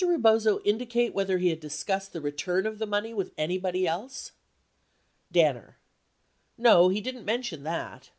Did Mr. Rebozo indicate whether he had dis cussed the return of the money with anybody else ? Danner. No, he didn't mention that.